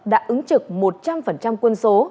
đã ứng trực một trăm linh quân số